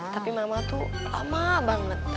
tapi mama tuh lama banget